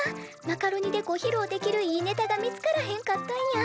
マカロニでごひろうできるいいネタが見つからへんかったんや。